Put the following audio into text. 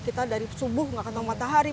kita dari subuh gak ketahuan matahari